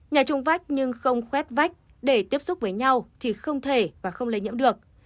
nhà trung vách nhưng không khuét vách để tiếp xúc với nhau thì không thể và không lây nhiễm được